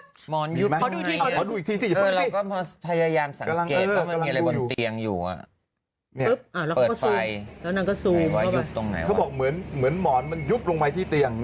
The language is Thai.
ชมอนพยายามสังเกตใบบิงอยู่ไฟว่ายุบตรงไหนเหมือนเหมือนหมอนมันยุบลงไปที่เตียง